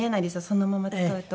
そのまま使うと。